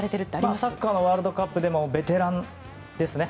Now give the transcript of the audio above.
サッカーのワールドカップでのベテランですね。